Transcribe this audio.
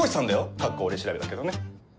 カッコ俺調べだけどね。